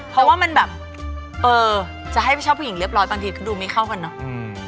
เพราะว่ามันแบบเออจะให้ชอบผู้หญิงเรียบร้อยบางทีก็ดูไม่เข้ากันเนอะ